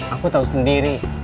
aku tau sendiri